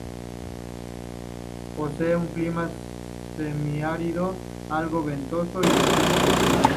Posee un clima semiárido, algo ventoso, en especial en primavera.